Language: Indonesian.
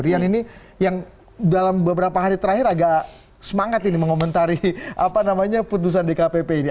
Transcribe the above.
rian ini yang dalam beberapa hari terakhir agak semangat ini mengomentari putusan dkpp ini